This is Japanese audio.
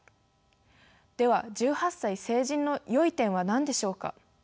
では１８歳成人の良い点は何でしょうか？